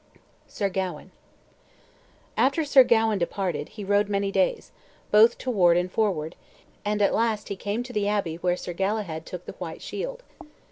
SIR GAWAIN After Sir Gawain departed, he rode many days, both toward and forward, and at last he came to the abbey where Sir Galahad took the white shield.